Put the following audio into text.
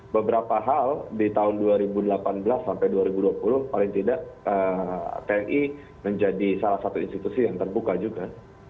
beberapa hal di tahun dua ribu delapan belas sampai dua ribu dua puluh paling tidak tni menjadi salah satu institusi yang terbuka juga